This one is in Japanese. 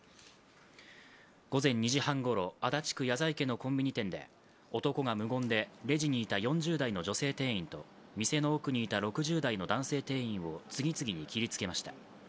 午前２時半ごろ、足立区谷在家のコンビニ店で男が無言でレジにいた４０代の女性店員と店の奥にいた６０代の男性店員を次々に切りつけました。